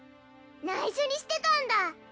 ないしょにしてたんだ。